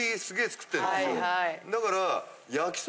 だから。